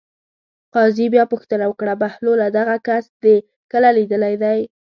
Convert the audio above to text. قاضي بیا پوښتنه وکړه: بهلوله دغه کس دې کله لیدلی دی.